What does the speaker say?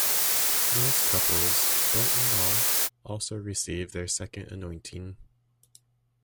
Most couples, but not all, also received their Second Anointing.